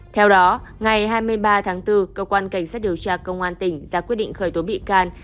theo đó ngày hai mươi ba tháng bốn cơ quan cảnh sát điều tra công an tỉnh ra quyết định khởi tố bị can